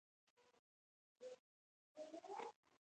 نن مې د پخلنځي د لوښو ځای بدل کړ.